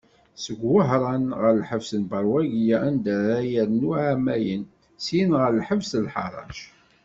Seg Wahṛen ɣer lḥebs n Beṛwagiya anda ara yernu εamayen, syin ɣer lḥebs Lḥaṛṛac.